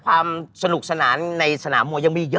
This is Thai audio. ความสนุกสนานในสนามมวยยังมีเยอะ